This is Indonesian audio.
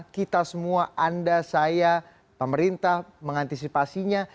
kita semua anda saya pemerintah mengantisipasinya